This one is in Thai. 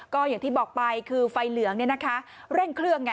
ก็อย่างที่บอกไปคือไฟเหลืองเร่งเครื่อง